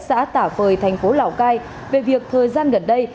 xã tả phời thành phố lào cai về việc thời gian gần đây